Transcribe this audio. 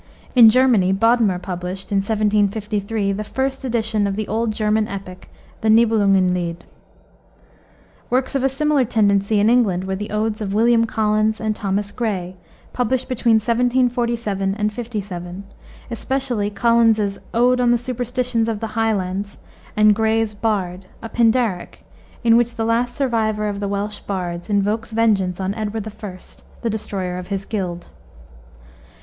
In Germany Bodmer published, in 1753, the first edition of the old German epic, the Nibelungen Lied. Works of a similar tendency in England were the odes of William Collins and Thomas Gray, published between 1747 57, especially Collins's Ode on the Superstitions of the Highlands, and Gray's Bard, a pindaric, in which the last survivor of the Welsh bards invokes vengeance on Edward I., the destroyer of his guild.